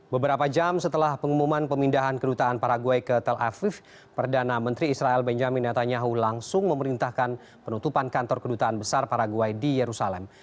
beberapa jam setelah pengumuman pemindahan kedutaan paraguay ke tel aviv perdana menteri israel benjamin netanyahu langsung memerintahkan penutupan kantor kedutaan besar paraguay di yerusalem